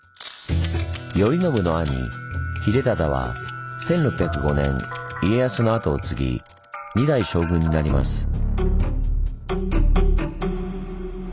頼宣の兄秀忠は１６０５年家康の跡を継ぎ二代将軍になります。